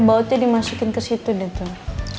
bautnya dimasukin ke situ deh tuh